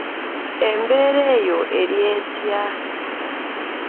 Embeera yo eri etya?